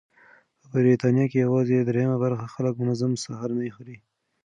په بریتانیا کې یوازې درېیمه برخه خلک منظم سهارنۍ خوري.